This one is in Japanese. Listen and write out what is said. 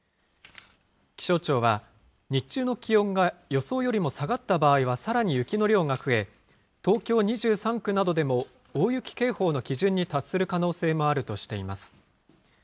気象庁は、日中の気温が予想よりも下がった場合は、さらに雪の量が増え、東京２３区などでも大雪警報の基準に達する可能性もあるとしています。